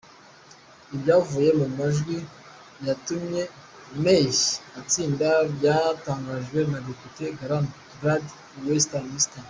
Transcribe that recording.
Ibyavuye mu majwi yatumye May atsinda byatangajwe na depite Graham Brady i Westminister.